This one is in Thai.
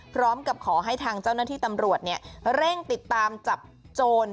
พร้อมกับขอให้ทางเจ้าหน้าที่ตำรวจเร่งติดตามจับโจร